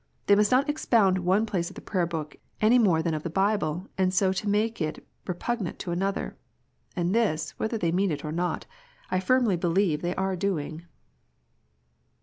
They must not expound one place of the Prayer book, any more than of tl^e pible T so as to make it repugnant to another. And this, whether they mean it or not, I firmly believe they are doing.